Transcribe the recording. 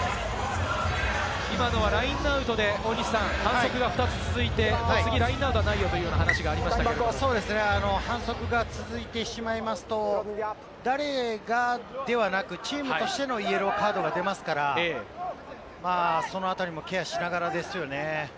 今のはラインアウトで大西さん、反則が２つ続いて、次、ラインアウトはないよという反則が続いてしまいますと、誰がではなくチームとしてのイエローカードが出ますから、そのあたりもケアしながらですよね。